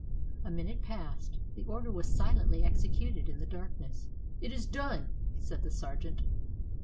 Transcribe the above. A minute passed; the order was silently executed in the darkness. "It is done," said the sergeant.